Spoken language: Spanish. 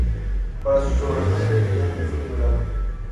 Para su sorpresa, le creyeron y fue liberado.